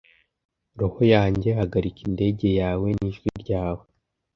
roho yanjye hagarika indege yawe nijwi ryawe